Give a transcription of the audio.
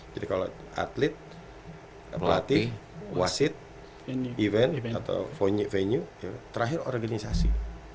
jadi kalau atlet pelatih wasit event atau venue terakhir organisasi